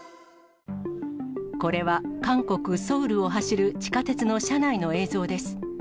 これは韓国・ソウルを走る地下鉄の車内の映像です。